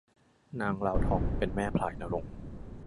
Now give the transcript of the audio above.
นางลาวทองเป็นแม่พลายณรงค์